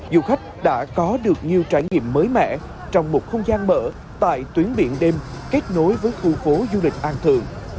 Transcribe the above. du khách đã có được nhiều trải nghiệm mới mẻ trong một không gian mở tại tuyến biển đêm kết nối với khu phố du lịch an thượng